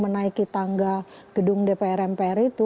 menaiki tangga gedung dpr mpr itu